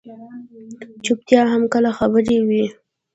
چُپتیا هم کله خبره وي.